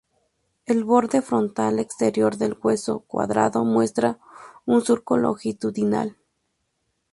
El borde frontal exterior del hueso cuadrado muestra un surco longitudinal.